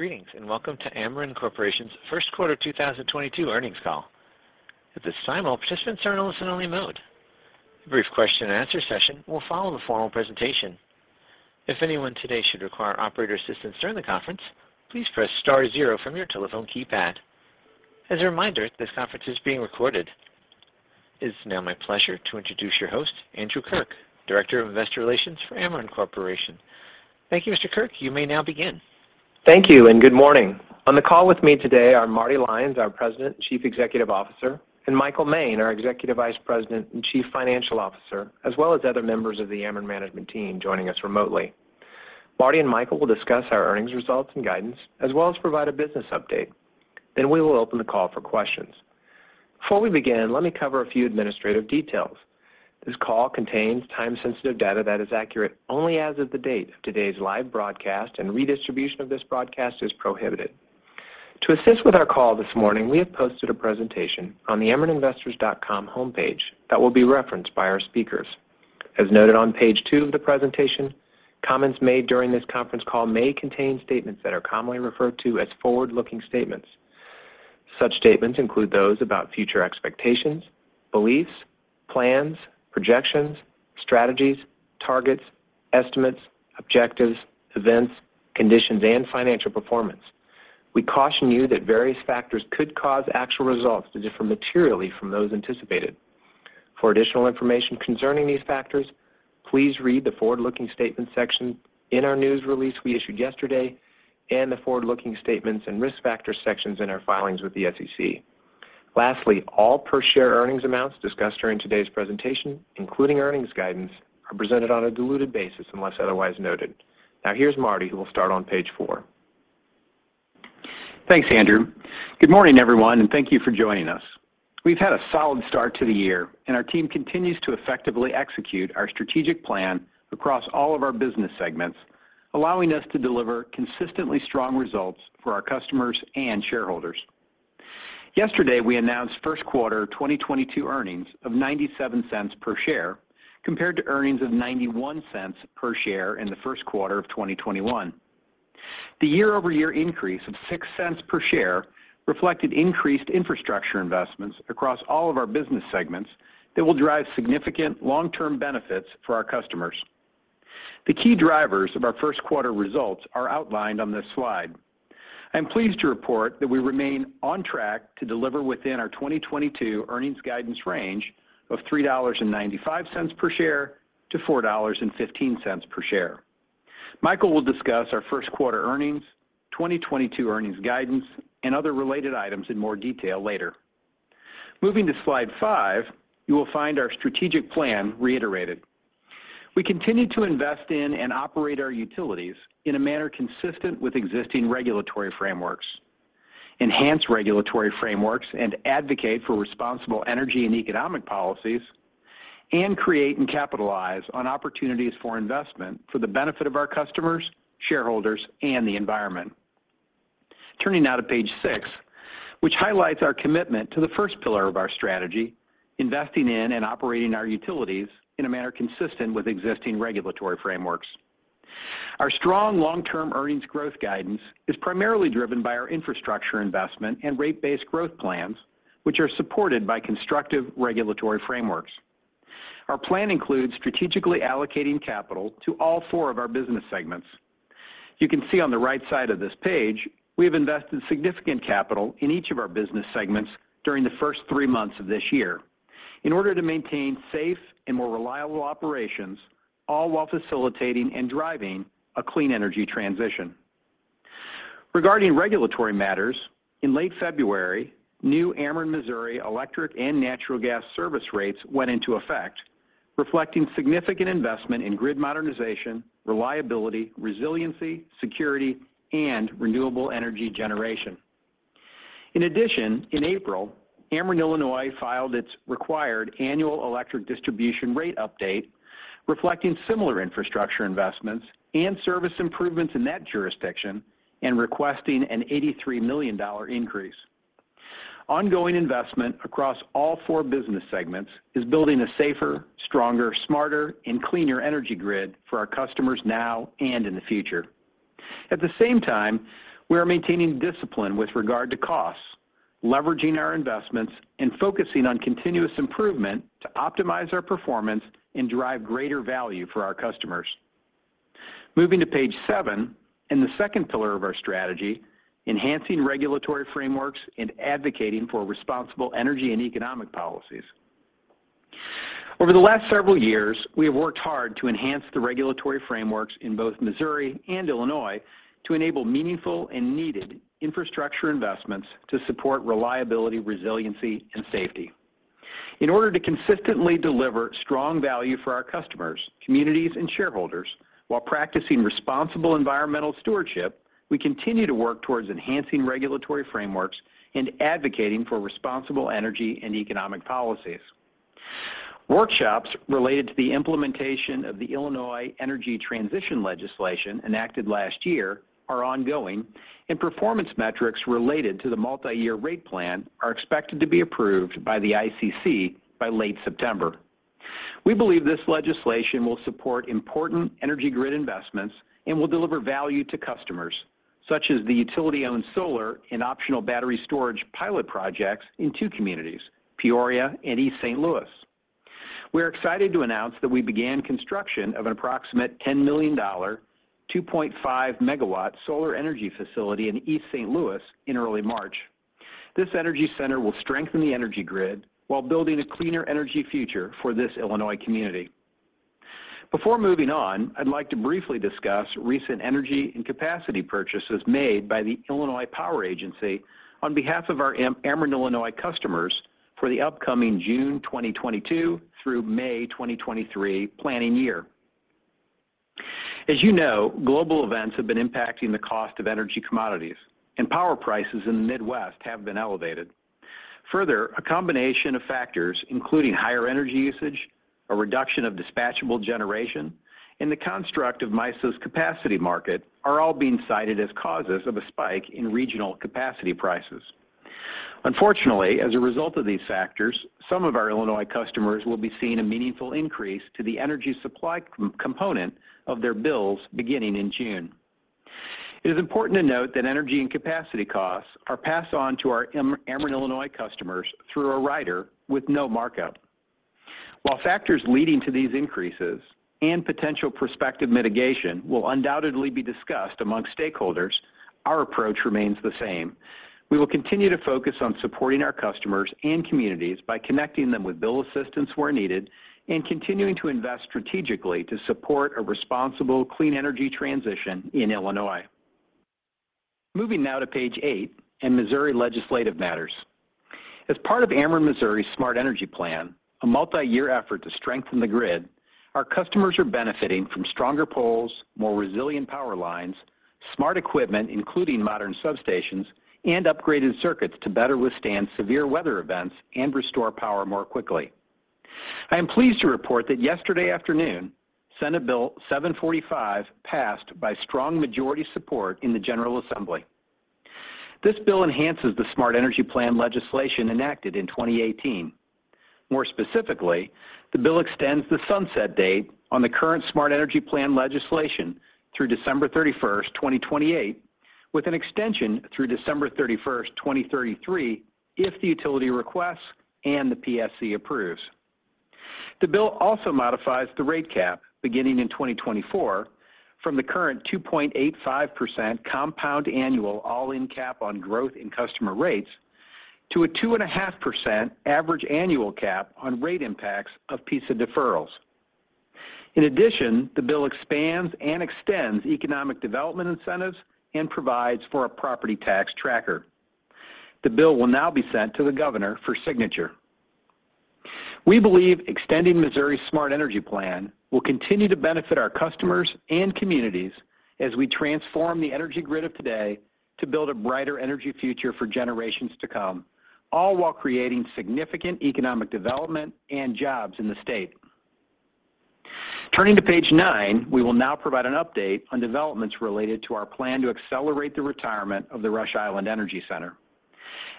Greetings, and welcome to Ameren Corporation's first quarter 2022 earnings call. At this time, all participants are in listen-only mode. A brief question-and-answer session will follow the formal presentation. If anyone today should require operator assistance during the conference, please press star zero from your telephone keypad. As a reminder, this conference is being recorded. It is now my pleasure to introduce your host, Andrew Kirk, Director of Investor Relations for Ameren Corporation. Thank you, Mr. Kirk. You may now begin. Thank you and good morning. On the call with me today are Marty Lyons, our President and Chief Executive Officer, and Michael Moehn, our Executive Vice President and Chief Financial Officer, as well as other members of the Ameren management team joining us remotely. Marty and Michael will discuss our earnings results and guidance, as well as provide a business update. Then we will open the call for questions. Before we begin, let me cover a few administrative details. This call contains time-sensitive data that is accurate only as of the date of today's live broadcast and redistribution of this broadcast is prohibited. To assist with our call this morning, we have posted a presentation on the amereninvestors.com homepage that will be referenced by our speakers. As noted on page two of the presentation, comments made during this conference call may contain statements that are commonly referred to as forward-looking statements. Such statements include those about future expectations, beliefs, plans, projections, strategies, targets, estimates, objectives, events, conditions, and financial performance. We caution you that various factors could cause actual results to differ materially from those anticipated. For additional information concerning these factors, please read the forward-looking statements section in our news release we issued yesterday and the forward-looking statements and risk factors sections in our filings with the SEC. Lastly, all per share earnings amounts discussed during today's presentation, including earnings guidance, are presented on a diluted basis unless otherwise noted. Now here's Marty, who will start on page four. Thanks, Andrew. Good morning, everyone, and thank you for joining us. We've had a solid start to the year, and our team continues to effectively execute our strategic plan across all of our business segments, allowing us to deliver consistently strong results for our customers and shareholders. Yesterday, we announced first quarter 2022 earnings of $0.97 per share compared to earnings of $0.91 per share in the first quarter of 2021. The YoY increase of $0.06 per share reflected increased infrastructure investments across all of our business segments that will drive significant long-term benefits for our customers. The key drivers of our first quarter results are outlined on this slide. I am pleased to report that we remain on track to deliver within our 2022 earnings guidance range of $3.95-$4.15 per share. Michael will discuss our first quarter earnings, 2022 earnings guidance, and other related items in more detail later. Moving to slide five, you will find our strategic plan reiterated. We continue to invest in and operate our utilities in a manner consistent with existing regulatory frameworks, enhance regulatory frameworks and advocate for responsible energy and economic policies, and create and capitalize on opportunities for investment for the benefit of our customers, shareholders, and the environment. Turning now to page six, which highlights our commitment to the first pillar of our strategy, investing in and operating our utilities in a manner consistent with existing regulatory frameworks. Our strong long-term earnings growth guidance is primarily driven by our infrastructure investment and rate-based growth plans, which are supported by constructive regulatory frameworks. Our plan includes strategically allocating capital to all four of our business segments. You can see on the right side of this page, we have invested significant capital in each of our business segments during the first three months of this year in order to maintain safe and more reliable operations, all while facilitating and driving a clean energy transition. Regarding regulatory matters, in late February, new Ameren Missouri electric and natural gas service rates went into effect, reflecting significant investment in grid modernization, reliability, resiliency, security, and renewable energy generation. In addition, in April, Ameren Illinois filed its required annual electric distribution rate update, reflecting similar infrastructure investments and service improvements in that jurisdiction and requesting a $83 million increase. Ongoing investment across all four business segments is building a safer, stronger, smarter, and cleaner energy grid for our customers now and in the future. At the same time, we are maintaining discipline with regard to costs, leveraging our investments and focusing on continuous improvement to optimize our performance and drive greater value for our customers. Moving to page seven and the second pillar of our strategy, enhancing regulatory frameworks and advocating for responsible energy and economic policies. Over the last several years, we have worked hard to enhance the regulatory frameworks in both Missouri and Illinois to enable meaningful and needed infrastructure investments to support reliability, resiliency, and safety. In order to consistently deliver strong value for our customers, communities, and shareholders while practicing responsible environmental stewardship, we continue to work towards enhancing regulatory frameworks and advocating for responsible energy and economic policies. Workshops related to the implementation of the Illinois Energy Transition legislation enacted last year are ongoing, and performance metrics related to the multi-year rate plan are expected to be approved by the ICC by late September. We believe this legislation will support important energy grid investments and will deliver value to customers, such as the utility-owned solar and optional battery storage pilot projects in two communities, Peoria and East St. Louis. We're excited to announce that we began construction of an approximate $10 million, 2.5 MW solar energy facility in East St. Louis in early March. This energy center will strengthen the energy grid while building a cleaner energy future for this Illinois community. Before moving on, I'd like to briefly discuss recent energy and capacity purchases made by the Illinois Power Agency on behalf of our Ameren Illinois customers for the upcoming June 2022 through May 2023 planning year. As you know, global events have been impacting the cost of energy commodities, and power prices in the Midwest have been elevated. Further, a combination of factors, including higher energy usage, a reduction of dispatchable generation, and the construct of MISO's capacity market, are all being cited as causes of a spike in regional capacity prices. Unfortunately, as a result of these factors, some of our Illinois customers will be seeing a meaningful increase to the energy supply component of their bills beginning in June. It is important to note that energy and capacity costs are passed on to our Ameren Illinois customers through a rider with no markup. While factors leading to these increases and potential prospective mitigation will undoubtedly be discussed among stakeholders, our approach remains the same. We will continue to focus on supporting our customers and communities by connecting them with bill assistance where needed and continuing to invest strategically to support a responsible clean energy transition in Illinois. Moving now to page 8 and Missouri legislative matters. As part of Ameren Missouri's Smart Energy Plan, a multi-year effort to strengthen the grid, our customers are benefiting from stronger poles, more resilient power lines, smart equipment, including modern substations, and upgraded circuits to better withstand severe weather events and restore power more quickly. I am pleased to report that yesterday afternoon, Senate Bill 745 passed by strong majority support in the General Assembly. This bill enhances the Smart Energy Plan legislation enacted in 2018. More specifically, the bill extends the sunset date on the current Smart Energy Plan legislation through December 31st, 2028, with an extension through December 31st, 2033, if the utility requests and the PSC approves. The bill also modifies the rate cap beginning in 2024 from the current 2.85% compound annual all-in cap on growth in customer rates to a 2.5% average annual cap on rate impacts of PSA deferrals. In addition, the bill expands and extends economic development incentives and provides for a property tax tracker. The bill will now be sent to the governor for signature. We believe extending Missouri's Smart Energy Plan will continue to benefit our customers and communities as we transform the energy grid of today to build a brighter energy future for generations to come, all while creating significant economic development and jobs in the state. Turning to page nine, we will now provide an update on developments related to our plan to accelerate the retirement of the Rush Island Energy Center.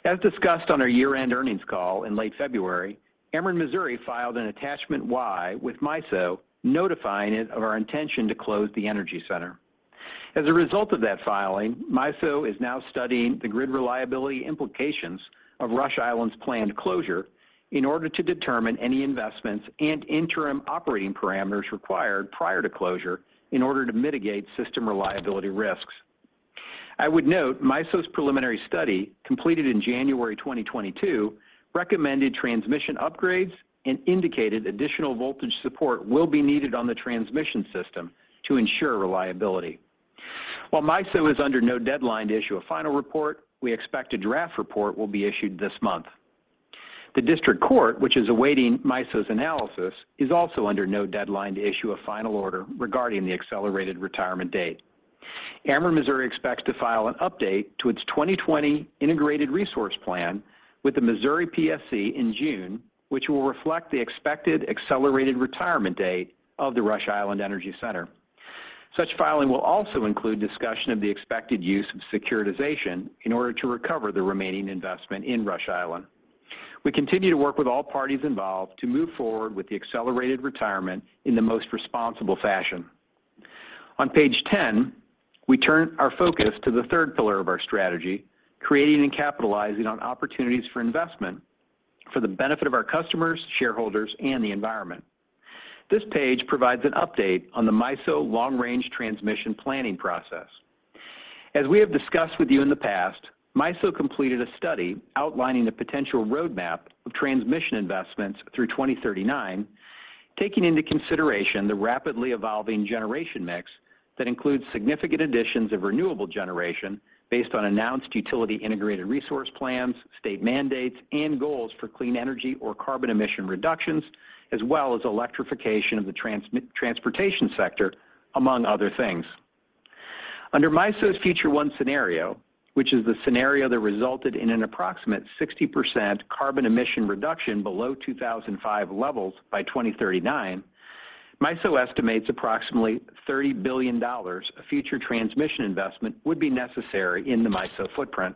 As discussed on our year-end earnings call in late February, Ameren Missouri filed an Attachment Y with MISO, notifying it of our intention to close the energy center. As a result of that filing, MISO is now studying the grid reliability implications of Rush Island's planned closure in order to determine any investments and interim operating parameters required prior to closure in order to mitigate system reliability risks. I would note MISO's preliminary study, completed in January 2022, recommended transmission upgrades and indicated additional voltage support will be needed on the transmission system to ensure reliability. While MISO is under no deadline to issue a final report, we expect a draft report will be issued this month. The district court, which is awaiting MISO's analysis, is also under no deadline to issue a final order regarding the accelerated retirement date. Ameren Missouri expects to file an update to its 2020 Integrated Resource Plan with the Missouri PSC in June, which will reflect the expected accelerated retirement date of the Rush Island Energy Center. Such filing will also include discussion of the expected use of securitization in order to recover the remaining investment in Rush Island. We continue to work with all parties involved to move forward with the accelerated retirement in the most responsible fashion. On page ten, we turn our focus to the third pillar of our strategy, creating and capitalizing on opportunities for investment for the benefit of our customers, shareholders, and the environment. This page provides an update on the MISO long-range transmission planning process. As we have discussed with you in the past, MISO completed a study outlining the potential roadmap of transmission investments through 2039, taking into consideration the rapidly evolving generation mix that includes significant additions of renewable generation based on announced utility integrated resource plans, state mandates, and goals for clean energy or carbon emission reductions, as well as electrification of the transportation sector, among other things. Under MISO's Future One scenario, which is the scenario that resulted in an approximate 60% carbon emission reduction below 2005 levels by 2039, MISO estimates approximately $30 billion of future transmission investment would be necessary in the MISO footprint.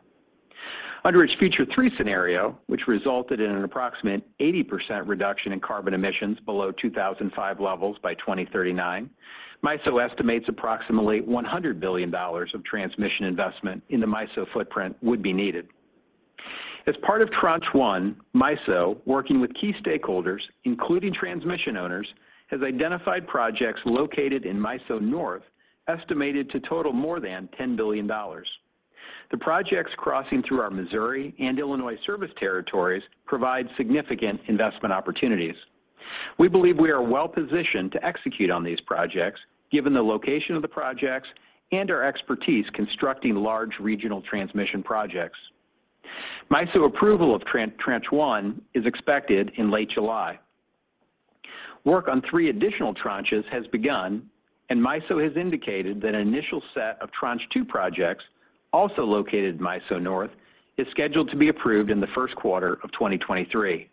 Under its Future Three scenario, which resulted in an approximate 80% reduction in carbon emissions below 2005 levels by 2039, MISO estimates approximately $100 billion of transmission investment in the MISO footprint would be needed. As part of Tranche One, MISO, working with key stakeholders, including transmission owners, has identified projects located in MISO North estimated to total more than $10 billion. The projects crossing through our Missouri and Illinois service territories provide significant investment opportunities. We believe we are well-positioned to execute on these projects given the location of the projects and our expertise constructing large regional transmission projects. MISO approval of Tranche One is expected in late July. Work on three additional tranches has begun, and MISO has indicated that an initial set of Tranche Two projects, also located in MISO North, is scheduled to be approved in the first quarter of 2023.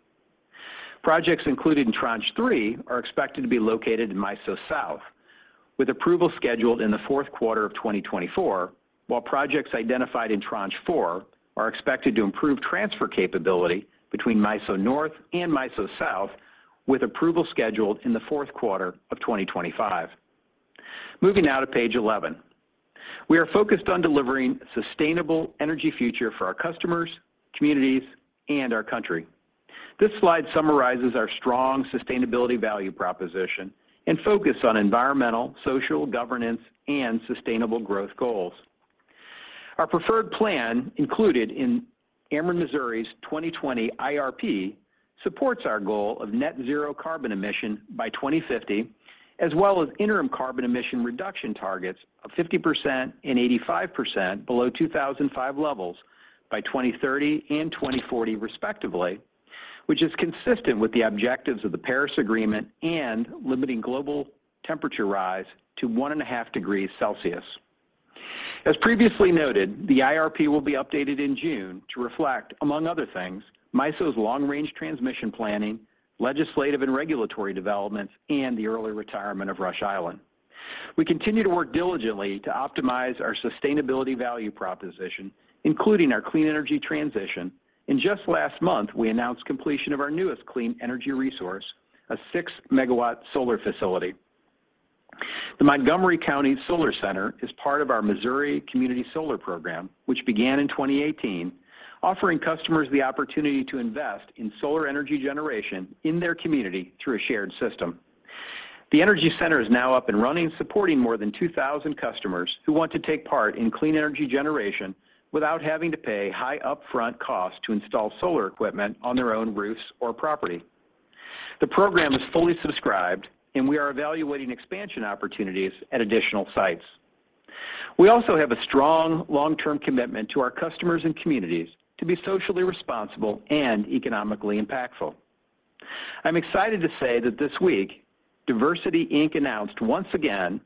Projects included in Tranche Three are expected to be located in MISO South, with approval scheduled in the fourth quarter of 2024. While projects identified in Tranche Four are expected to improve transfer capability between MISO North and MISO South, with approval scheduled in the fourth quarter of 2025. Moving now to page 11. We are focused on delivering sustainable energy future for our customers, communities and our country. This slide summarizes our strong sustainability value proposition and focus on environmental, social governance and sustainable growth goals. Our preferred plan, included in Ameren Missouri's 2020 IRP, supports our goal of net zero carbon emission by 2050, as well as interim carbon emission reduction targets of 50% and 85% below 2005 levels by 2030 and 2040 respectively, which is consistent with the objectives of the Paris Agreement and limiting global temperature rise to one and a half degrees Celsius. As previously noted, the IRP will be updated in June to reflect, among other things, MISO's long-range transmission planning, legislative and regulatory developments, and the early retirement of Rush Island. We continue to work diligently to optimize our sustainability value proposition, including our clean energy transition. Just last month, we announced completion of our newest clean energy resource, a 6 MW solar facility. The Montgomery County Solar Center is part of our Missouri Community Solar Program, which began in 2018, offering customers the opportunity to invest in solar energy generation in their community through a shared system. The energy center is now up and running, supporting more than 2,000 customers who want to take part in clean energy generation without having to pay high upfront costs to install solar equipment on their own roofs or property. The program is fully subscribed and we are evaluating expansion opportunities at additional sites. We also have a strong long-term commitment to our customers and communities to be socially responsible and economically impactful. I'm excited to say that this week, DiversityInc. Announced once again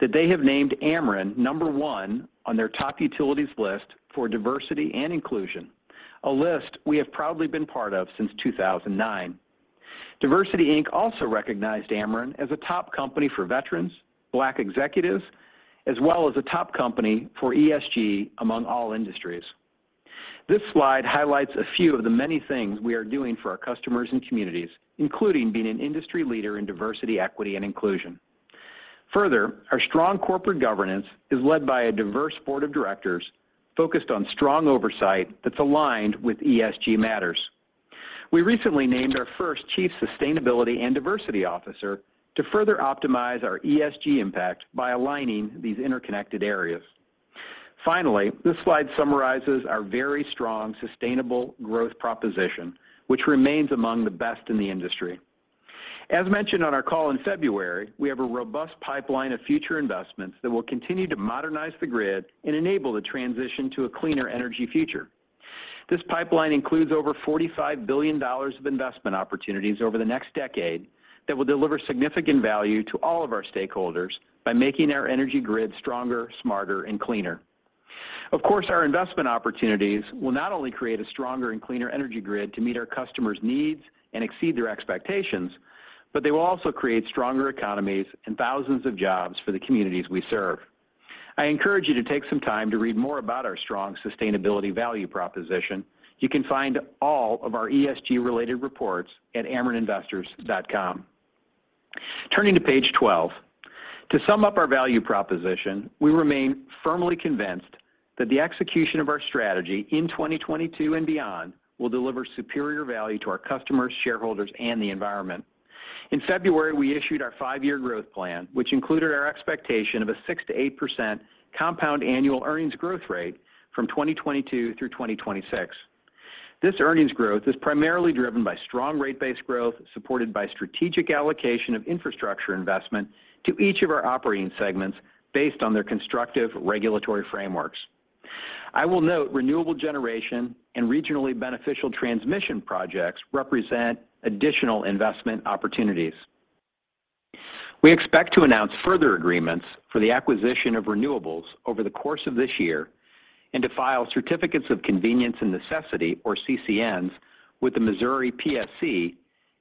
that they have named Ameren No. one on their top utilities list for diversity and inclusion, a list we have proudly been part of since 2009. DiversityInc also recognized Ameren as a top company for veterans, Black executives, as well as a top company for ESG among all industries. This slide highlights a few of the many things we are doing for our customers and communities, including being an industry leader in diversity, equity, and inclusion. Further, our strong corporate governance is led by a diverse board of directors focused on strong oversight that's aligned with ESG matters. We recently named our first Chief Sustainability and Diversity Officer to further optimize our ESG impact by aligning these interconnected areas. Finally, this slide summarizes our very strong sustainable growth proposition, which remains among the best in the industry. As mentioned on our call in February, we have a robust pipeline of future investments that will continue to modernize the grid and enable the transition to a cleaner energy future. This pipeline includes over $45 billion of investment opportunities over the next decade that will deliver significant value to all of our stakeholders by making our energy grid stronger, smarter and cleaner. Of course, our investment opportunities will not only create a stronger and cleaner energy grid to meet our customers' needs and exceed their expectations, but they will also create stronger economies and thousands of jobs for the communities we serve. I encourage you to take some time to read more about our strong sustainability value proposition. You can find all of our ESG-related reports at amereninvestors.com. Turning to page 12. To sum up our value proposition, we remain firmly convinced that the execution of our strategy in 2022 and beyond will deliver superior value to our customers, shareholders and the environment. In February, we issued our five-year growth plan, which included our expectation of a 6%-8% compound annual earnings growth rate from 2022 through 2026. This earnings growth is primarily driven by strong rate-based growth, supported by strategic allocation of infrastructure investment to each of our operating segments based on their constructive regulatory frameworks. I will note renewable generation and regionally beneficial transmission projects represent additional investment opportunities. We expect to announce further agreements for the acquisition of renewables over the course of this year and to file certificates of convenience and necessity, or CCNs, with the Missouri PSC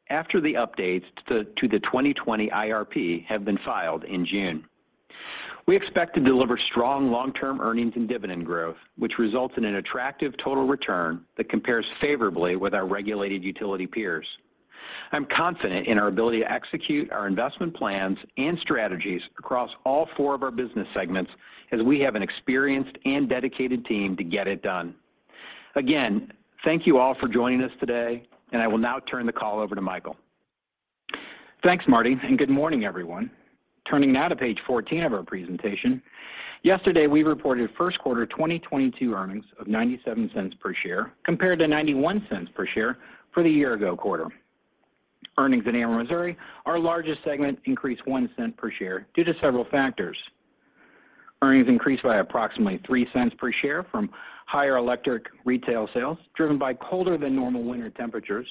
after the updates to the 2020 IRP have been filed in June. We expect to deliver strong long-term earnings and dividend growth, which results in an attractive total return that compares favorably with our regulated utility peers. I'm confident in our ability to execute our investment plans and strategies across all four of our business segments as we have an experienced and dedicated team to get it done. Again, thank you all for joining us today, and I will now turn the call over to Michael. Thanks, Marty, and good morning, everyone. Turning now to page 14 of our presentation. Yesterday, we reported first quarter 2022 earnings of $0.97 per share compared to $0.91 per share for the year ago quarter. Earnings in Ameren Missouri, our largest segment, increased $0.01 per share due to several factors. Earnings increased by approximately $0.03 per share from higher electric retail sales, driven by colder than normal winter temperatures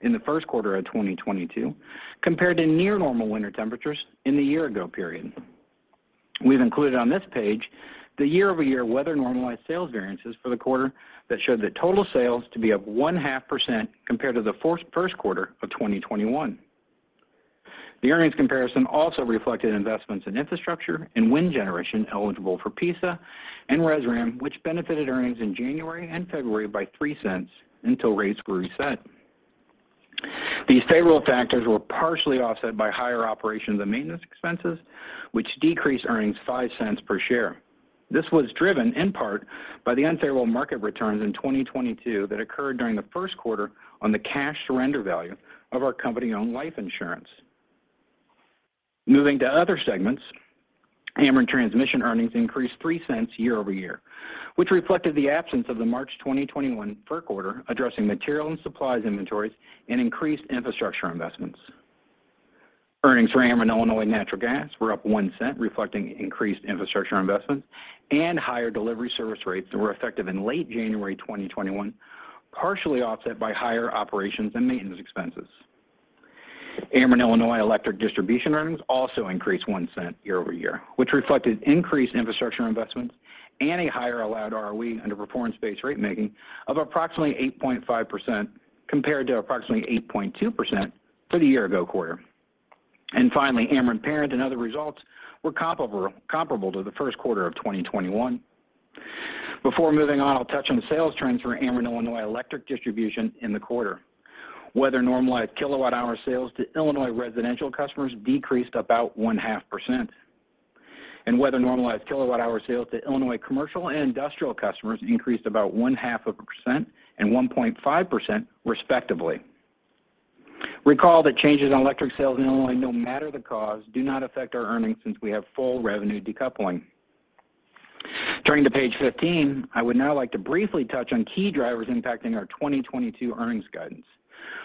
in the first quarter of 2022 compared to near normal winter temperatures in the year ago period. We've included on this page the YoY weather normalized sales variances for the quarter that showed that total sales to be up 0.5% compared to the first quarter of 2021. The earnings comparison also reflected investments in infrastructure and wind generation eligible for PISA and RESRA which benefited earnings in January and February by $0.03 until rates were reset. These favorable factors were partially offset by higher operations and maintenance expenses, which decreased earnings $0.05 per share. This was driven in part by the unfavorable market returns in 2022 that occurred during the first quarter on the cash surrender value of our company-owned life insurance. Moving to other segments, Ameren Transmission earnings increased $0.03 YoY, which reflected the absence of the March 2021 FERC order addressing material and supplies inventories and increased infrastructure investments. Earnings for Ameren Illinois Natural Gas were up $0.01, reflecting increased infrastructure investments and higher delivery service rates that were effective in late January 2021, partially offset by higher operations and maintenance expenses. Ameren Illinois Electric Distribution earnings also increased $0.01 YoY, which reflected increased infrastructure investments and a higher allowed ROE under performance-based rate making of approximately 8.5% compared to approximately 8.2% for the year-ago quarter. Finally, Ameren Parent and other results were comparable to the first quarter of 2021. Before moving on, I'll touch on the sales trends for Ameren Illinois Electric Distribution in the quarter. Weather-normalized kilowatt-hour sales to Illinois residential customers decreased about 0.5%. Weather-normalized kilowatt-hour sales to Illinois commercial and industrial customers increased about 0.5% and 1.5% respectively. Recall that changes in electric sales in Illinois, no matter the cause, do not affect our earnings since we have full revenue decoupling. Turning to page 15, I would now like to briefly touch on key drivers impacting our 2022 earnings guidance.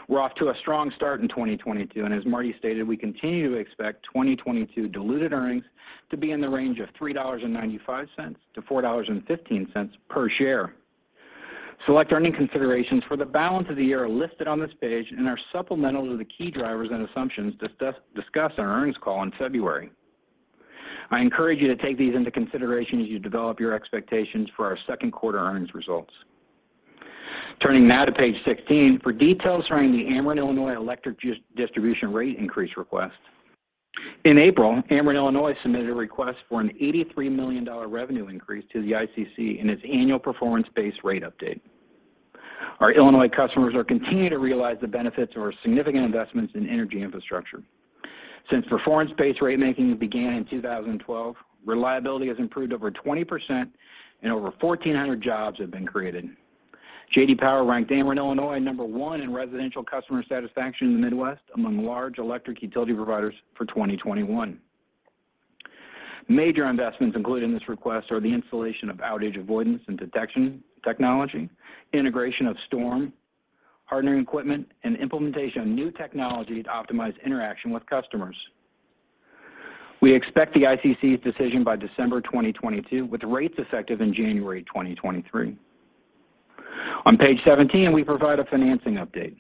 We're off to a strong start in 2022, and as Marty stated, we continue to expect 2022 diluted earnings to be in the range of $3.95-$4.15 per share. Select earning considerations for the balance of the year are listed on this page and are supplemental to the key drivers and assumptions discussed on our earnings call in February. I encourage you to take these into consideration as you develop your expectations for our second quarter earnings results. Turning now to page 16 for details surrounding the Ameren Illinois Electric Distribution rate increase request. In April, Ameren Illinois submitted a request for a $83 million revenue increase to the ICC in its annual performance-based rate update. Our Illinois customers are continuing to realize the benefits of our significant investments in energy infrastructure. Since performance-based rate making began in 2012, reliability has improved over 20% and over 1,400 jobs have been created. J.D. Power ranked Ameren Illinois number one in residential customer satisfaction in the Midwest among large electric utility providers for 2021. Major investments included in this request are the installation of outage avoidance and detection technology, integration of storm hardening equipment, and implementation of new technology to optimize interaction with customers. We expect the ICC's decision by December 2022, with rates effective in January 2023. On page 17, we provide a financing update.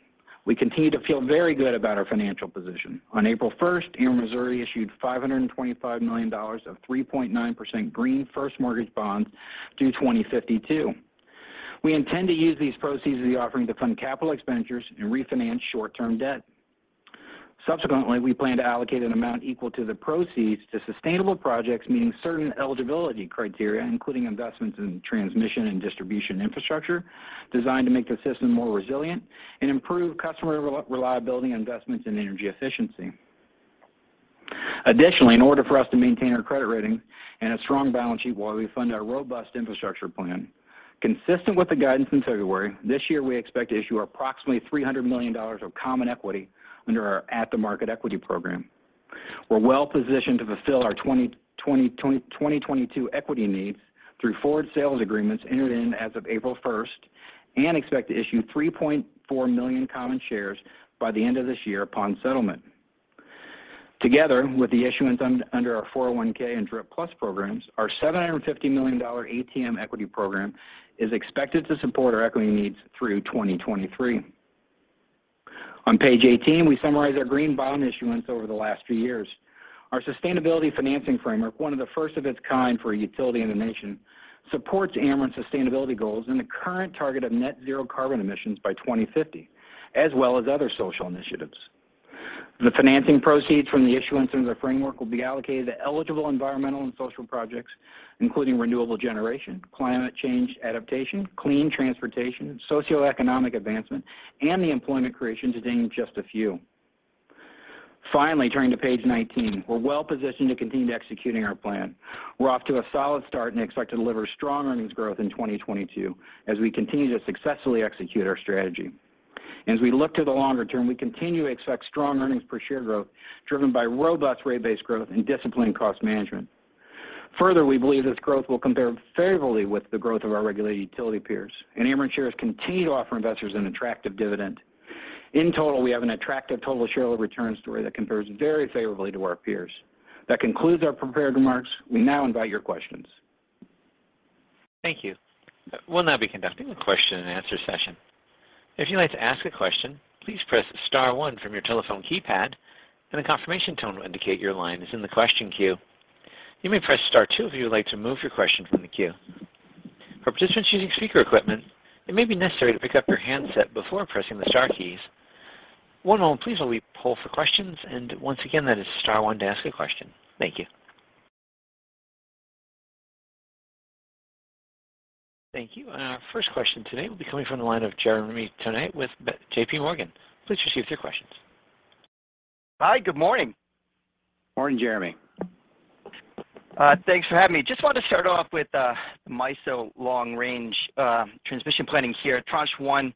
We continue to feel very good about our financial position. On April 1st, Ameren Missouri issued $525 million of 3.9% Green First Mortgage Bonds due 2052. We intend to use these proceeds of the offering to fund capital expenditures and refinance short-term debt. Subsequently, we plan to allocate an amount equal to the proceeds to sustainable projects meeting certain eligibility criteria, including investments in transmission and distribution infrastructure designed to make the system more resilient and improve customer reliability investments in energy efficiency. Additionally, in order for us to maintain our credit rating and a strong balance sheet while we fund our robust infrastructure plan, consistent with the guidance in February this year, we expect to issue approximately $300 million of common equity under our at-the-market equity program. We're well-positioned to fulfill our 2020, 2021-2022 equity needs through forward sales agreements entered into as of April 1st and expect to issue 3.4 million common shares by the end of this year upon settlement. Together, with the issuance under our 401K and DRPlus programs, our $750 million ATM equity program is expected to support our equity needs through 2023. On page 18, we summarize our green bond issuance over the last few years. Our sustainability financing framework, one of the first of its kind for a utility in the nation, supports Ameren's sustainability goals and the current target of net zero carbon emissions by 2050, as well as other social initiatives. The financing proceeds from the issuance in their framework will be allocated to eligible environmental and social projects, including renewable generation, climate change adaptation, clean transportation, socioeconomic advancement, and the employment creation, to name just a few. Finally, turning to page 19, we're well-positioned to continue executing our plan. We're off to a solid start and expect to deliver strong earnings growth in 2022 as we continue to successfully execute our strategy. As we look to the longer term, we continue to expect strong earnings per share growth driven by robust rate-based growth and disciplined cost management. Further, we believe this growth will compare favorably with the growth of our regulated utility peers. Ameren shares continue to offer investors an attractive dividend. In total, we have an attractive total shareholder return story that compares very favorably to our peers. That concludes our prepared remarks. We now invite your questions. Thank you. We'll now be conducting a question and answer session. If you'd like to ask a question, please press star one from your telephone keypad and a confirmation tone will indicate your line is in the question queue. You may press star two if you would like to move your question from the queue. For participants using speaker equipment, it may be necessary to pick up your handset before pressing the star keys. One moment please while we pull for questions, and once again, that is star one to ask a question. Thank you. Thank you. Our first question today will be coming from the line of Jeremy Tonet with J.P. Morgan. Please proceed with your questions. Hi. Good morning. Morning, Jeremy. Thanks for having me. Just wanted to start off with MISO long range transmission planning here at Tranche 1.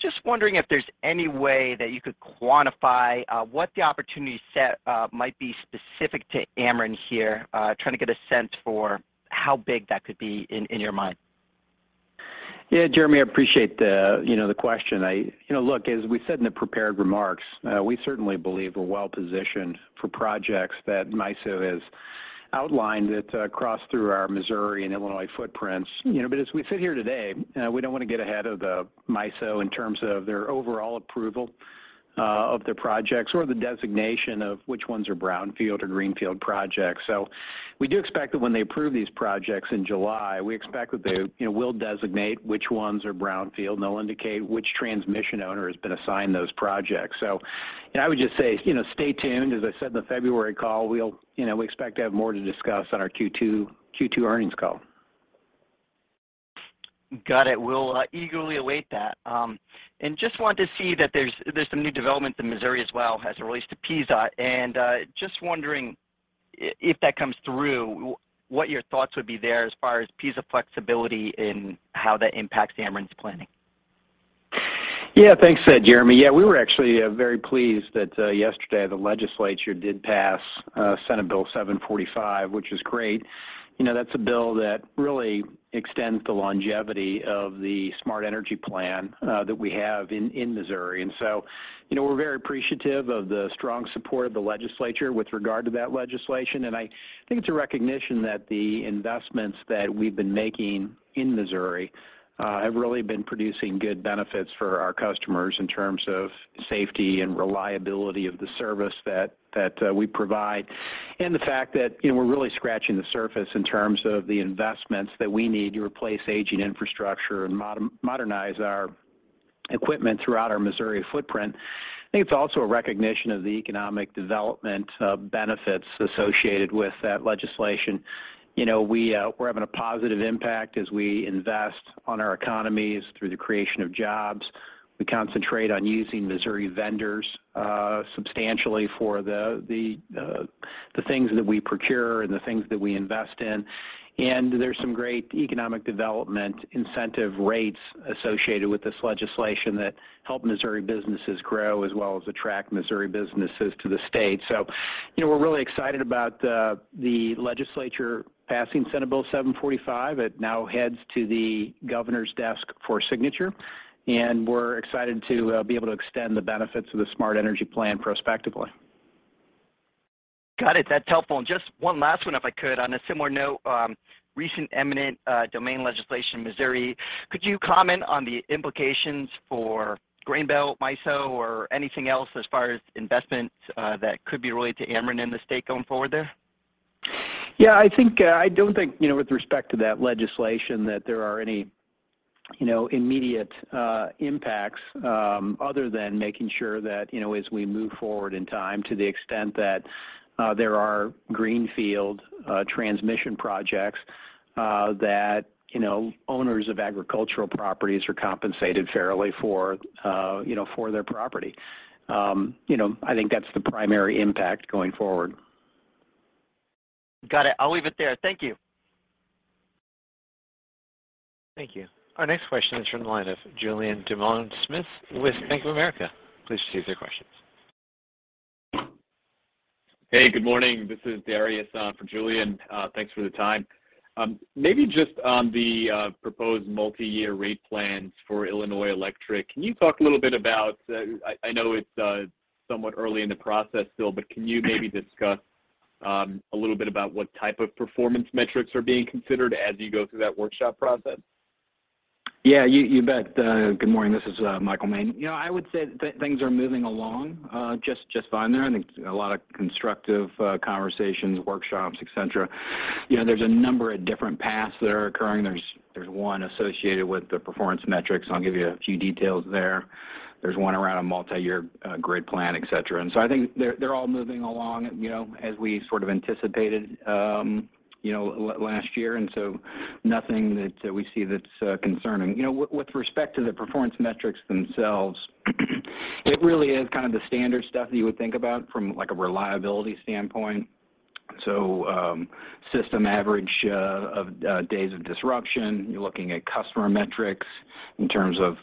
Just wondering if there's any way that you could quantify what the opportunity set might be specific to Ameren here. Trying to get a sense for how big that could be in your mind. Yeah, Jeremy, I appreciate the, you know, the question. You know, look, as we said in the prepared remarks, we certainly believe we're well-positioned for projects that MISO has outlined that cross through our Missouri and Illinois footprints. You know, but as we sit here today, we don't want to get ahead of the MISO in terms of their overall approval, of the projects or the designation of which ones are brownfield or greenfield projects. We do expect that when they approve these projects in July, we expect that they, you know, will designate which ones are brownfield and they'll indicate which transmission owner has been assigned those projects. I would just say, you know, stay tuned. As I said in the February call, we'll, you know, we expect to have more to discuss on our Q2 earnings call. Got it. We'll eagerly await that. Just want to see that there's some new developments in Missouri as well as it relates to PISA. Just wondering if that comes through, what your thoughts would be there as far as PISA flexibility and how that impacts Ameren's planning. Yeah, thanks, Jeremy. Yeah, we were actually very pleased that yesterday the legislature did pass Senate Bill 745, which is great. You know, that's a bill that really extends the longevity of the Smart Energy Plan that we have in Missouri. You know, we're very appreciative of the strong support of the legislature with regard to that legislation. I think it's a recognition that the investments that we've been making in Missouri have really been producing good benefits for our customers in terms of safety and reliability of the service that we provide. The fact that, you know, we're really scratching the surface in terms of the investments that we need to replace aging infrastructure and modernize our equipment throughout our Missouri footprint. I think it's also a recognition of the economic development benefits associated with that legislation. You know, we're having a positive impact as we invest in our economies through the creation of jobs. We concentrate on using Missouri vendors substantially for the things that we procure and the things that we invest in. There's some great economic development incentive rates associated with this legislation that help Missouri businesses grow as well as attract Missouri businesses to the state. You know, we're really excited about the legislature passing Senate Bill 745. It now heads to the governor's desk for signature, and we're excited to be able to extend the benefits of the Smart Energy Plan prospectively. Got it. That's helpful. Just one last one, if I could. On a similar note, recent eminent domain legislation in Missouri, could you comment on the implications for Grain Belt MISO or anything else as far as investments that could be related to Ameren in the state going forward there? Yeah, I think, I don't think, you know, with respect to that legislation that there are any, you know, immediate impacts, other than making sure that, you know, as we move forward in time, to the extent that there are greenfield transmission projects, that, you know, owners of agricultural properties are compensated fairly for, you know, for their property. You know, I think that's the primary impact going forward. Got it. I'll leave it there. Thank you. Thank you. Our next question is from the line of Julien Dumoulin-Smith with Bank of America. Please proceed with your questions. Hey, good morning. This is Dariusz for Julien. Thanks for the time. Maybe just on the proposed multiyear rate plans for Illinois Electric, can you talk a little bit about, I know it's somewhat early in the process still, but can you maybe discuss a little bit about what type of performance metrics are being considered as you go through that workshop process? Yeah, you bet. Good morning. This is Michael Moehn. You know, I would say things are moving along just fine there. I think a lot of constructive conversations, workshops, et cetera. You know, there's a number of different paths that are occurring. There's one associated with the performance metrics. I'll give you a few details there. There's one around a multi-year grid plan, et cetera. I think they're all moving along, you know, as we sort of anticipated, you know, last year, and so nothing that we see that's concerning. You know, with respect to the performance metrics themselves, it really is kind of the standard stuff that you would think about from, like, a reliability standpoint. System average of days of disruption. You're looking at customer metrics in terms of,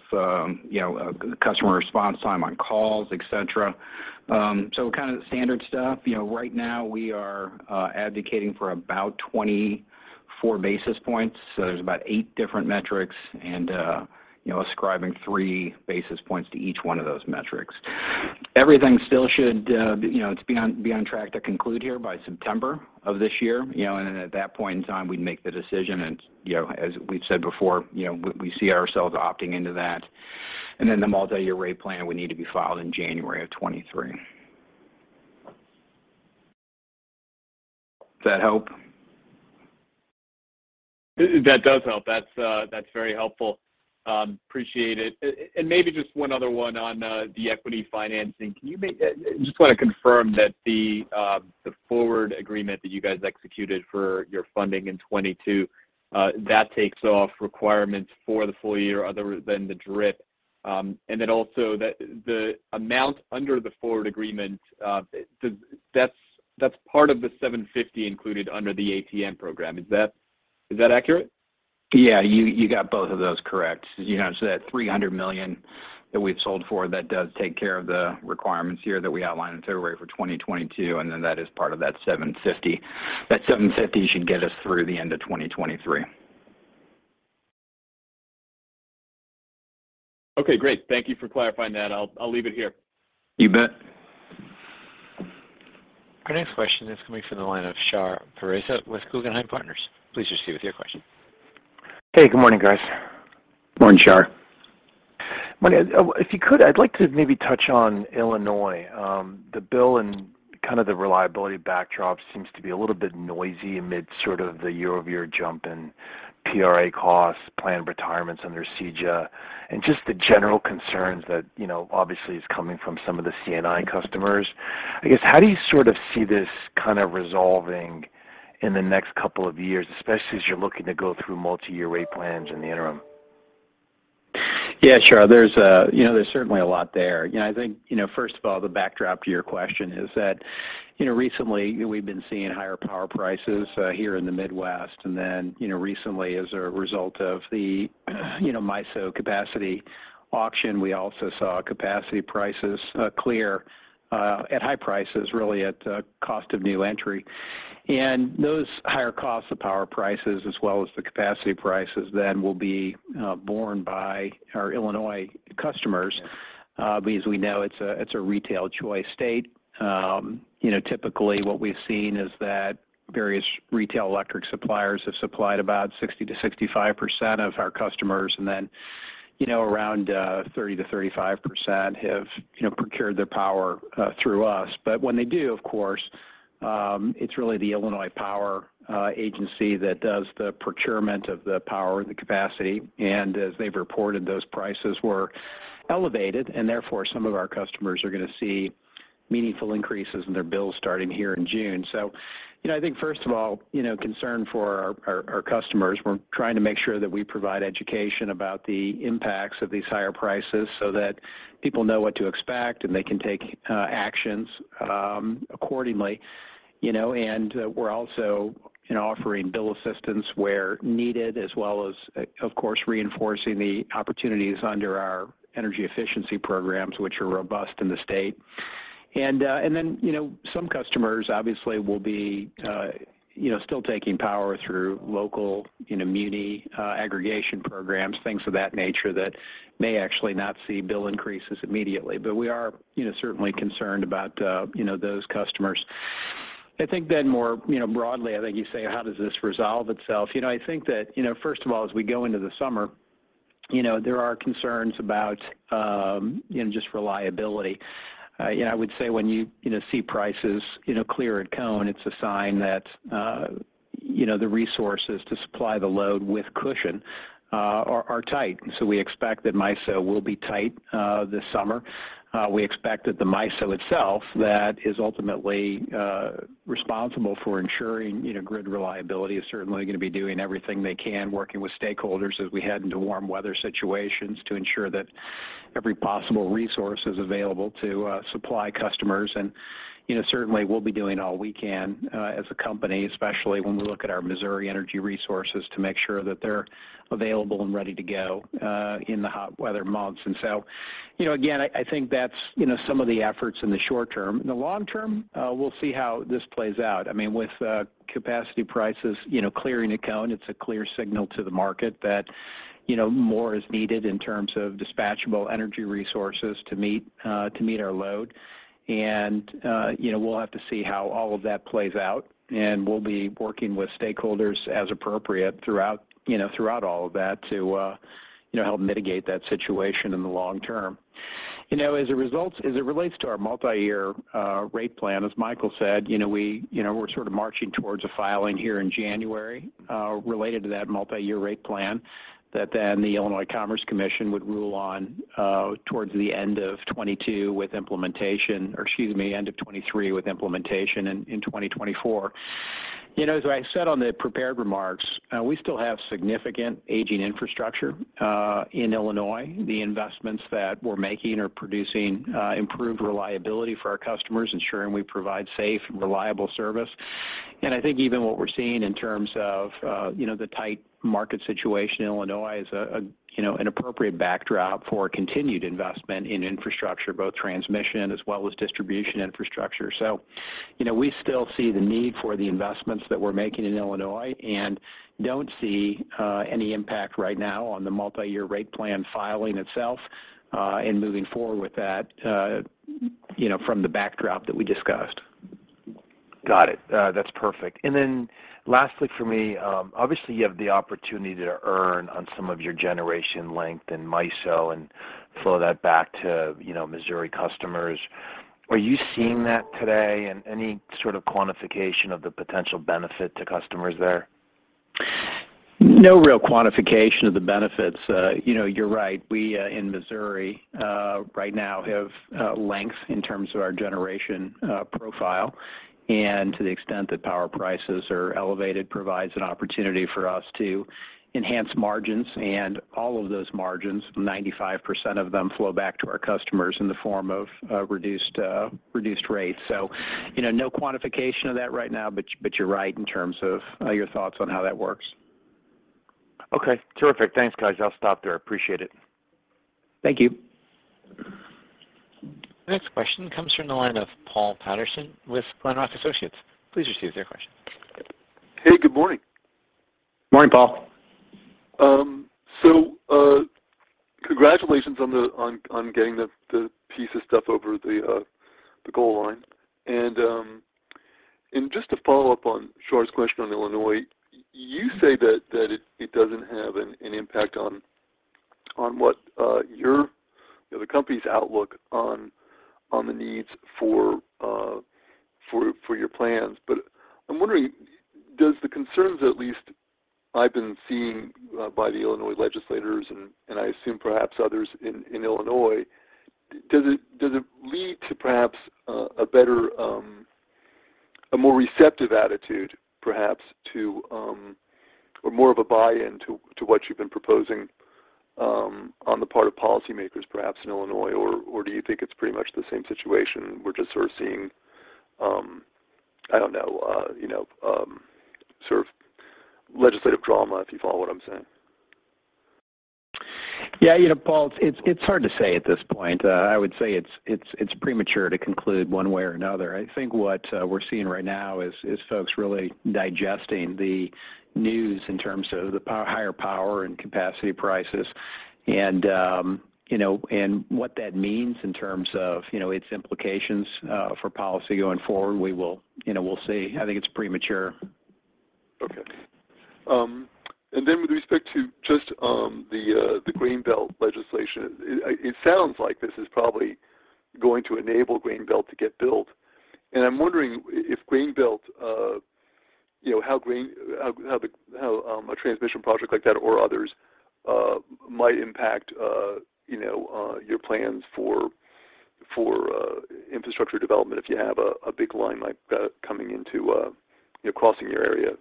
you know, customer response time on calls, et cetera. So kind of standard stuff. You know, right now we are advocating for about 24 basis points, so there's about eight different metrics and, you know, ascribing 3 basis points to each one of those metrics. Everything still should, you know, it's be on track to conclude here by September of this year. You know, and at that point in time, we'd make the decision and, you know, as we've said before, you know, we see ourselves opting into that. Then the multi-year rate plan would need to be filed in January of 2023. Does that help? That does help. That's very helpful. Appreciate it. Maybe just one other one on the equity financing. Just wanna confirm that the forward agreement that you guys executed for your funding in 2022 that takes off requirements for the full year other than the DRIP. Then also the amount under the forward agreement that's part of the $750 included under the ATM program. Is that accurate? Yeah, you got both of those correct. You know, so that $300 million that we've sold for, that does take care of the requirements here that we outlined in February for 2022, and then that is part of that $750 million. That $750 million should get us through the end of 2023. Okay, great. Thank you for clarifying that. I'll leave it here. You bet. Our next question is coming from the line of Shar Pourreza with Guggenheim Partners. Please proceed with your question. Hey, good morning, guys. Morning, Shar. Morning. If you could, I'd like to maybe touch on Illinois. The bill and kind of the reliability backdrop seems to be a little bit noisy amid sort of the YoY jump in PRA costs, planned retirements under CEJA, and just the general concerns that, you know, obviously is coming from some of the C&I customers. I guess, how do you sort of see this kind of resolving in the next couple of years, especially as you're looking to go through multi-year rate plans in the interim? Yeah, Shar, there's, you know, there's certainly a lot there. You know, I think, you know, first of all, the backdrop to your question is that, you know, recently we've been seeing higher power prices here in the Midwest. You know, recently as a result of the, you know, MISO capacity auction, we also saw capacity prices clear at high prices, really at cost of new entry. Those higher costs of power prices as well as the capacity prices then will be borne by our Illinois customers because we know it's a retail choice state. You know, typically what we've seen is that various retail electric suppliers have supplied about 60%-65% of our customers, and then, you know, around 30%-35% have procured their power through us. When they do, of course, it's really the Illinois Power Agency that does the procurement of the power, the capacity. As they've reported, those prices were elevated and therefore some of our customers are gonna see meaningful increases in their bills starting here in June. You know, I think first of all, you know, concern for our customers. We're trying to make sure that we provide education about the impacts of these higher prices so that people know what to expect and they can take actions accordingly. You know, and we're also, you know, offering bill assistance where needed, as well as, of course, reinforcing the opportunities under our energy efficiency programs, which are robust in the state. Some customers obviously will be, you know, still taking power through local, you know, muni aggregation programs, things of that nature that may actually not see bill increases immediately. We are, you know, certainly concerned about, you know, those customers. I think then more, you know, broadly, I think you say, how does this resolve itself? You know, I think that, you know, first of all, as we go into the summer, you know, there are concerns about, you know, just reliability. You know, I would say when you know, see prices, you know, clear at CONE, it's a sign that, you know, the resources to supply the load with cushion are tight. We expect that MISO will be tight this summer. We expect that the MISO itself, that is ultimately responsible for ensuring, you know, grid reliability is certainly gonna be doing everything they can, working with stakeholders as we head into warm weather situations to ensure that every possible resource is available to supply customers. You know, certainly we'll be doing all we can as a company, especially when we look at our Missouri energy resources to make sure that they're available and ready to go in the hot weather months. You know, again, I think that's some of the efforts in the short term. In the long term, we'll see how this plays out. I mean, with capacity prices, you know, clearing the CONE, it's a clear signal to the market that, you know, more is needed in terms of dispatchable energy resources to meet our load. You know, we'll have to see how all of that plays out, and we'll be working with stakeholders as appropriate throughout, you know, throughout all of that to help mitigate that situation in the long term. You know, as a result, as it relates to our multi-year rate plan, as Michael said, you know, we're sort of marching towards a filing here in January related to that multi-year rate plan that then the Illinois Commerce Commission would rule on towards the end of 2022 with implementation or, excuse me, end of 2023 with implementation in 2024. You know, as I said on the prepared remarks, we still have significant aging infrastructure in Illinois. The investments that we're making are producing improved reliability for our customers, ensuring we provide safe and reliable service. I think even what we're seeing in terms of you know, the tight market situation in Illinois is you know, an appropriate backdrop for continued investment in infrastructure, both transmission as well as distribution infrastructure. You know, we still see the need for the investments that we're making in Illinois and don't see any impact right now on the multi-year rate plan filing itself in moving forward with that you know, from the backdrop that we discussed. Got it. That's perfect. Lastly for me, obviously you have the opportunity to earn on some of your generation length in MISO and flow that back to, you know, Missouri customers. Are you seeing that today? Any sort of quantification of the potential benefit to customers there? No real quantification of the benefits. You know, you're right. We in Missouri right now have leverage in terms of our generation profile. To the extent that power prices are elevated, provides an opportunity for us to enhance margins. All of those margins, 95% of them flow back to our customers in the form of reduced rates. You know, no quantification of that right now, but you're right in terms of your thoughts on how that works. Okay, terrific. Thanks, guys. I'll stop there. Appreciate it. Thank you. Next question comes from the line of Paul Patterson with Glenrock Associates. Please proceed with your question. Hey, good morning. Morning, Paul. Congratulations on getting the piece of stuff over the goal line. Just to follow up on Shar Pourreza's question on Illinois, you say that it doesn't have an impact on what, you know, the company's outlook on the needs for your plans. I'm wondering, does the concerns, at least I've been seeing, by the Illinois legislators and I assume perhaps others in Illinois, does it lead to perhaps a better, a more receptive attitude perhaps to or more of a buy-in to what you've been proposing on the part of policymakers perhaps in Illinois? Do you think it's pretty much the same situation, we're just sort of seeing, I don't know, you know, sort of legislative drama, if you follow what I'm saying? Yeah, you know, Paul, it's hard to say at this point. I would say it's premature to conclude one way or another. I think what we're seeing right now is folks really digesting the news in terms of the higher power and capacity prices and, you know, and what that means in terms of, you know, its implications for policy going forward. We will, you know, we'll see. I think it's premature. Okay. With respect to just the Grain Belt legislation, it sounds like this is probably going to enable Grain Belt to get built. I'm wondering if Grain Belt, you know, how a transmission project like that or others might impact, you know, your plans for infrastructure development if you have a big line like that coming into, you know, crossing your area,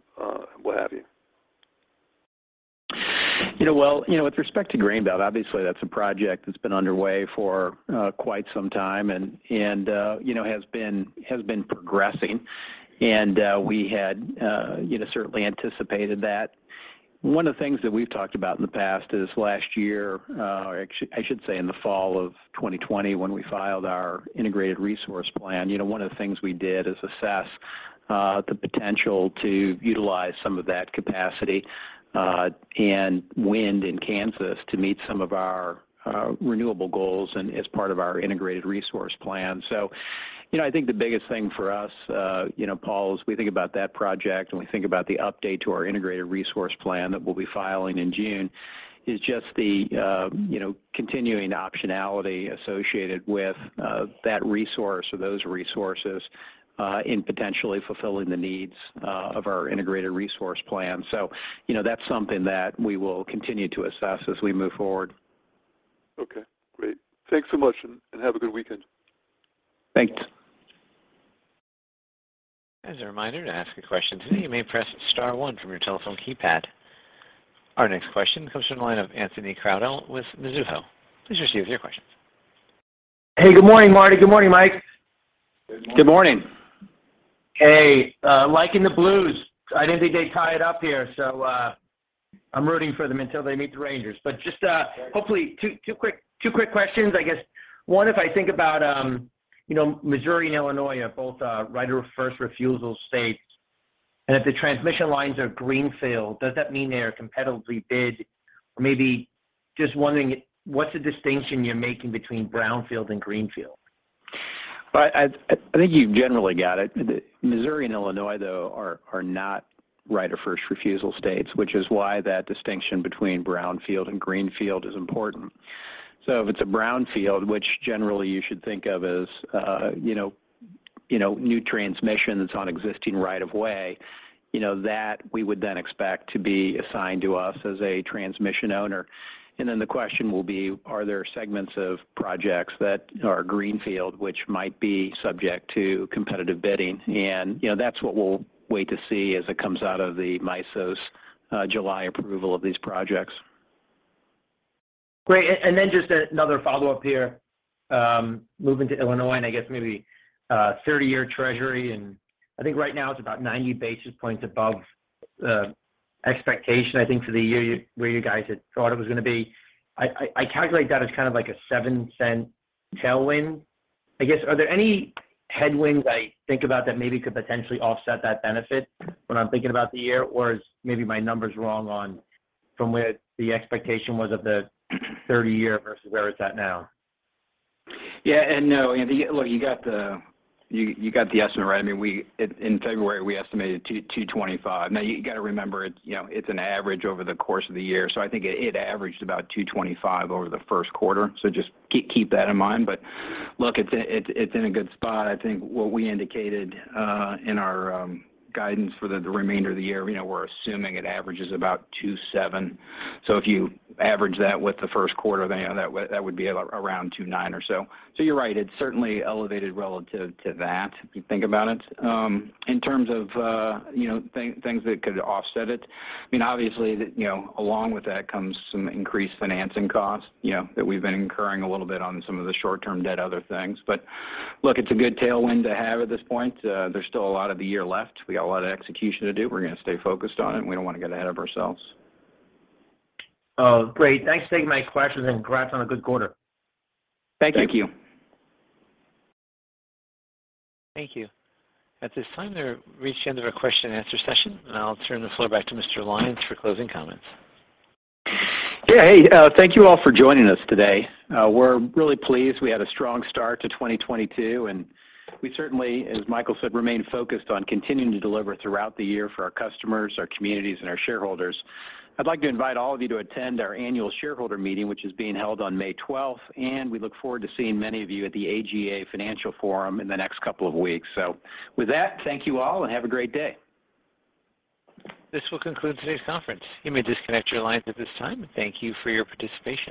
what have you. You know, well, you know, with respect to Grain Belt, obviously that's a project that's been underway for quite some time and has been progressing. We had, you know, certainly anticipated that. One of the things that we've talked about in the past is last year, I should say in the fall of 2020 when we filed our Integrated Resource Plan, you know, one of the things we did is assess the potential to utilize some of that capacity and wind in Kansas to meet some of our renewable goals and as part of our Integrated Resource Plan. You know, I think the biggest thing for us, you know, Paul, is we think about that project and we think about the update to our Integrated Resource Plan that we'll be filing in June, is just the, you know, continuing optionality associated with, that resource or those resources, in potentially fulfilling the needs, of our Integrated Resource Plan. You know, that's something that we will continue to assess as we move forward. Okay, great. Thanks so much, and have a good weekend. Thanks. As a reminder, to ask a question today, you may press star one from your telephone keypad. Our next question comes from the line of Anthony Crowdell with Mizuho. Please proceed with your question. Hey, good morning, Marty. Good morning, Mike. Good morning. Good morning. Hey, liking the Blues. I didn't think they'd tie it up here, so I'm rooting for them until they meet the Rangers. Just, hopefully two quick questions. I guess one, if I think about, you know, Missouri and Illinois are both right of first refusal states, and if the transmission lines are greenfield, does that mean they are competitively bid? Or maybe just wondering, what's the distinction you're making between brownfield and greenfield? I think you've generally got it. Missouri and Illinois, though, are not right of first refusal states, which is why that distinction between brownfield and greenfield is important. If it's a brownfield, which generally you should think of as you know new transmissions on existing right of way, you know, that we would then expect to be assigned to us as a transmission owner. Then the question will be, are there segments of projects that are greenfield which might be subject to competitive bidding? You know, that's what we'll wait to see as it comes out of the MISO's July approval of these projects. Great. Then just another follow-up here. Moving to Illinois and I guess maybe 30-year Treasury. I think right now it's about 90 basis points above the expectation, I think, for the year where you guys had thought it was gonna be. I calculate that as kind of like a $0.07 tailwind. I guess, are there any headwinds I think about that maybe could potentially offset that benefit when I'm thinking about the year? Or is maybe my number's wrong on from where the expectation was of the 30-year versus where it's at now? Yeah. No, Anthony, look, you got the estimate right. I mean, in February, we estimated 2.25%. Now you gotta remember it's, you know, it's an average over the course of the year. I think it averaged about 2.25% over the first quarter. Just keep that in mind. Look, it's in a good spot. I think what we indicated in our guidance for the remainder of the year, you know, we're assuming it averages about 2.7%. If you average that with the first quarter, then that would be around 2.9% or so. You're right, it's certainly elevated relative to that, if you think about it. In terms of, you know, things that could offset it, I mean, obviously, you know, along with that comes some increased financing costs, you know, that we've been incurring a little bit on some of the short-term debt, other things. Look, it's a good tailwind to have at this point. There's still a lot of the year left. We got a lot of execution to do. We're gonna stay focused on it, and we don't wanna get ahead of ourselves. Oh, great. Thanks for taking my questions, and congrats on a good quarter. Thank you. Thank you. At this time, we've reached the end of our question and answer session, and I'll turn the floor back to Mr. Lyons for closing comments. Yeah. Hey, thank you all for joining us today. We're really pleased we had a strong start to 2022, and we certainly, as Michael said, remain focused on continuing to deliver throughout the year for our customers, our communities, and our shareholders. I'd like to invite all of you to attend our annual shareholder meeting, which is being held on May 12th, and we look forward to seeing many of you at the AGA Financial Forum in the next couple of weeks. With that, thank you all, and have a great day. This will conclude today's conference. You may disconnect your lines at this time. Thank you for your participation.